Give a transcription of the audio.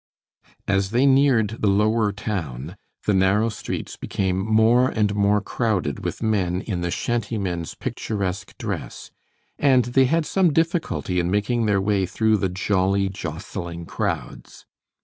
As they neared the lower town, the narrow streets became more and more crowded with men in the shantymen's picturesque dress, and they had some difficulty in making their way through the jolly, jostling crowds.